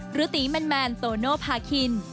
หรือตีแมนโตโนภาคิน